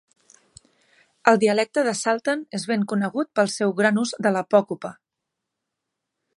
El dialecte de salten és ben conegut pel seu gran ús de l'apòcope.